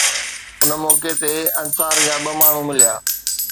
ان موقعي تي انصار جا ٻه ماڻهو مليا